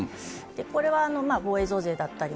これは防衛増税だったり